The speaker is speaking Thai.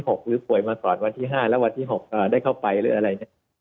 หรือป่วยมาก่อนวันที่๕แล้ววันที่๖ได้เข้าไปหรืออะไรเนี่ย